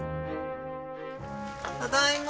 ただいま。